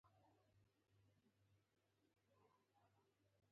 خاوره حاصلات ورکوي.